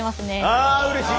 ああうれしい！